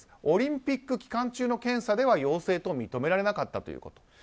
オリンピック期間中の検査では陽性と認められなかったということ。